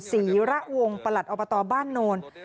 ศรีระวงประหลัดอบตบ้านโนน